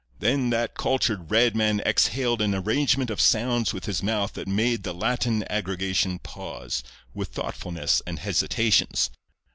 "Then that cultured Red Man exhaled an arrangement of sounds with his mouth that made the Latin aggregation pause, with thoughtfulness and hesitations.